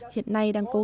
hiện nay đang cố gắng